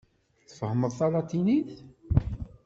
Tfehhmeḍ talatinit?